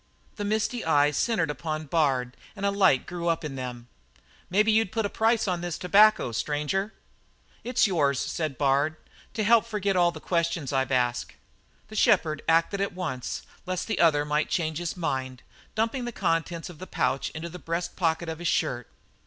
The misty eyes centred upon Bard and a light grew up in them. "Maybe you'd put a price on this tobacco, stranger?" "It's yours," said Bard, "to help you forget all the questions I've asked." The shepherd acted at once lest the other might change his mind, dumping the contents of the pouch into the breast pocket of his shirt.